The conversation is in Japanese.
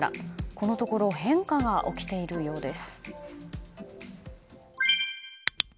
このところ変化が起きているようです。